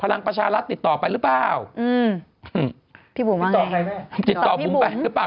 พลังประชาอัตรรภติดต่อไปรึเปล่า